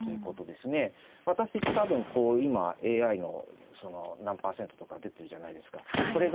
私多分こう今ＡＩの何％とか出てるじゃないですか。